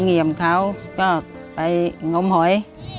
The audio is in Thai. สงเอ๋ยำเขาก็ไปง้มไหอย